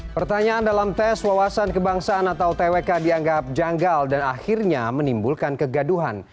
pertanyaan dalam tes wawasan kebangsaan atau twk dianggap janggal dan akhirnya menimbulkan kegaduhan